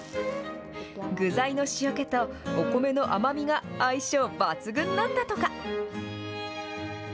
具材の塩気と、お米の甘みが相性抜群なんだとか。